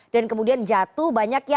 dan kemudian jatuh